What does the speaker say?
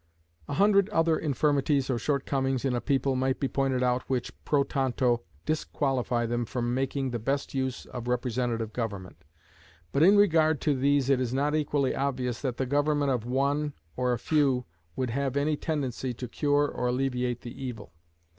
A hundred other infirmities or shortcomings in a people might be pointed out which pro tanto disqualify them from making the best use of representative government; but in regard to these it is not equally obvious that the government of One or a Few would have any tendency to cure or alleviate the evil.